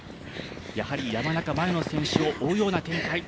やはり、山中前の選手を追うような展開。